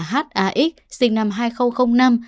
h a x sinh năm hai nghìn năm